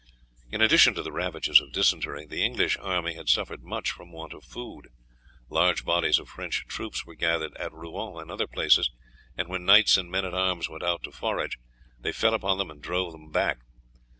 In addition to the ravages of dysentery the English army had suffered much from want of food. Large bodies of French troops were gathered at Rouen and other places, and when knights and men at arms went out to forage, they fell upon them and drove them back.